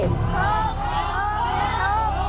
ชุก